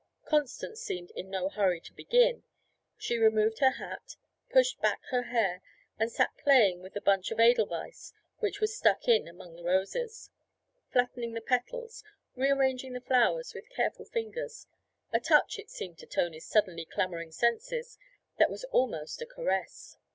Constance seemed in no hurry to begin; she removed her hat, pushed back her hair, and sat playing with the bunch of edelweiss which was stuck in among the roses flattening the petals, rearranging the flowers with careful fingers; a touch, it seemed to Tony's suddenly clamouring senses, that was almost a caress.